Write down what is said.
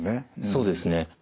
そうですね。